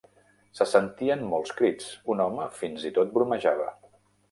Se sentien molts crits, un home fins i tot bromejava.